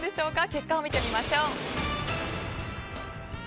結果を見てみましょう。